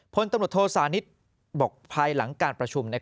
พลตำรวจโทษานิทบอกภายหลังการประชุม